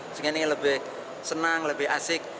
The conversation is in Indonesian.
sehingga ini lebih senang lebih asik